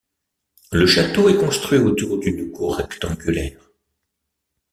Le château est construit autour d'une cour rectangulaire.